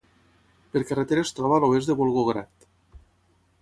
Per carretera es troba a l'oest de Volgograd.